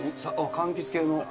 かんきつ系の。